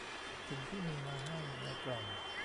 สิ่งที่มีมาให้ในกล่อง